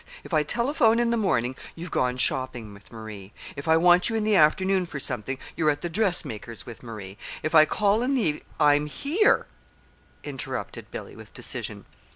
If I telephone in the morning, you've gone shopping with Marie. If I want you in the afternoon for something, you're at the dressmaker's with Marie. If I call in the evening " "I'm here," interrupted Billy, with decision.